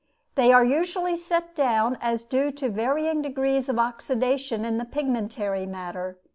They are usually set down as due to varying degrees of oxidation in the pigmentary matter.